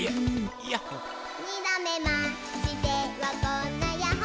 「２どめましてはこんなやっほ」